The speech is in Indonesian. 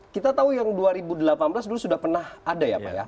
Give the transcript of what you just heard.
kita tahu yang dua ribu delapan belas dulu sudah pernah ada ya pak ya